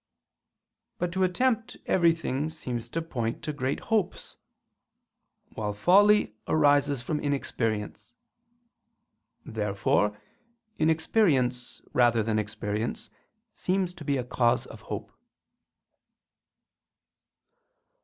But to attempt everything seems to point to great hopes; while folly arises from inexperience. Therefore inexperience, rather than experience, seems to be a cause of hope.